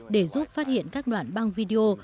để giúp phát hiện các đoạn băng video